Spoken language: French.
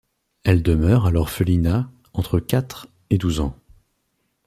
Elle demeure à l'orphelinat entre quatre et douze ans.